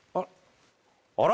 あら？